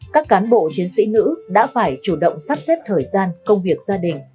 các cán bộ chiến sĩ nữ đã phải chủ động sắp xếp thời gian công việc gia đình